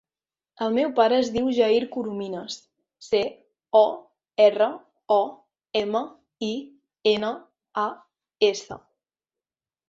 El meu pare es diu Jair Corominas: ce, o, erra, o, ema, i, ena, a, essa.